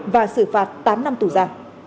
và xử phạt tám năm tù giả